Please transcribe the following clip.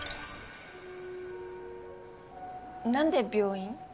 何で病院？